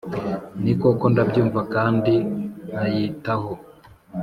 Ni koko ndayumva kandi nkayitaho,